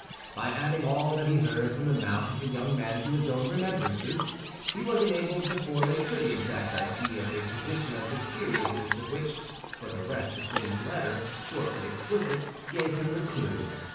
By adding all that he heard from the mouth of the young man to his own remembrances, he was enabled to form a pretty exact idea of a position of the seriousness of which, for the rest, the queen's letter, short but explicit, gave him the clue.